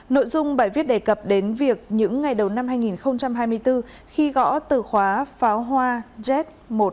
nội dung bài viết đề cập đến việc những ngày đầu năm hai nghìn hai mươi bốn khi gõ từ khóa pháo hoa jet một trăm hai mươi một